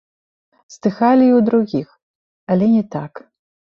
Здыхалі і ў другіх, але не так.